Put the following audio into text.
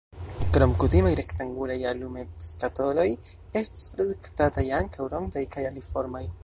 Krom kutimaj rektangulaj alumetskatoloj estis produktataj ankaŭ rondaj kaj aliformaj.